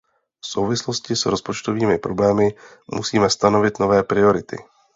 V souvislosti s rozpočtovými problémy musíme stanovit nové priority.